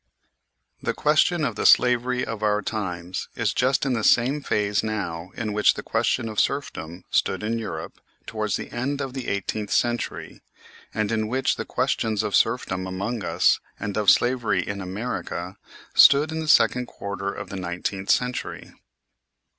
The question of the slavery of our times is just in the same phase now in which the question of serfdom stood in Europe l towards the end of the eighteenth century, and in which the questions of serfdom among us, and of slavery in America, stood in the second quarter of the nineteenth century.